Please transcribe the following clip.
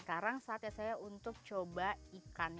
sekarang saatnya saya untuk mencoba ikan